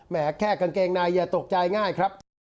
แค่กางเกงในอย่าตกใจง่ายครับ